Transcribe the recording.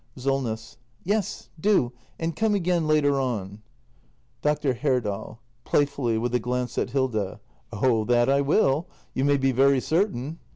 SOLNESS. Yes, do; and come again later on. Dr. Herdal. [Playfully, with a glance at Hilda.] Oh that I will, you may be very certain!